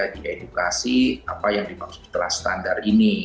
diedukasi apa yang dimaksud kelas standar ini